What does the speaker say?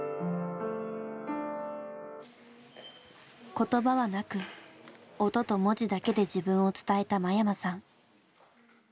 言葉はなく音と文字だけで自分を伝えた間山さん。